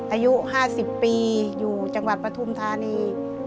อายุ๕๐ปีอยู่จังหวัดปฐุมธานี